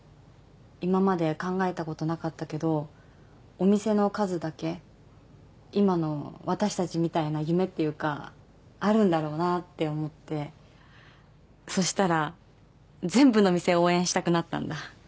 今まで考えたことなかったけどお店の数だけ今の私たちみたいな夢っていうかあるんだろうなって思ってそしたら全部の店応援したくなったんだ